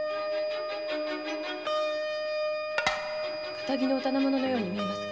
堅気の者のように見えますが。